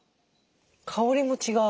香りも違う。